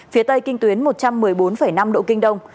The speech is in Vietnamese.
phía tây kinh tuyến một trăm một mươi bốn năm độ kinh đông